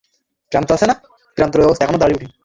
আমাকে বললেই আমি বানিয়ে দিবো।